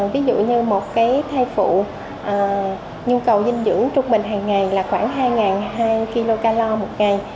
ví dụ như một thai phục nhu cầu dinh dưỡng trung bình hàng ngày là khoảng hai hai trăm linh kcal một ngày